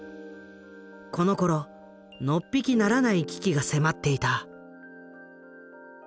このころのっぴきならない危機が迫っていた。